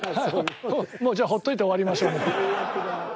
もうじゃあほっといて終わりましょう。